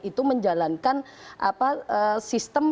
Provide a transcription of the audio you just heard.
itu menjalankan sistem